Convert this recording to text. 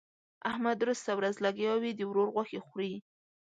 احمد درسته ورځ لګيا وي؛ د ورور غوښې خوري.